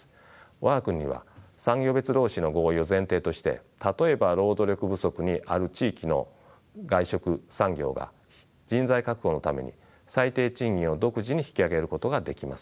我が国には産業別労使の合意を前提として例えば労働力不足にある地域の外食産業が人材確保のために最低賃金を独自に引き上げることができます。